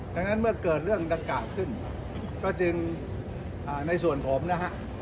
ดังนั้นเมื่อเกิดเรื่องดังกล่าวขึ้นก็จึงในส่วนผมนะฮะ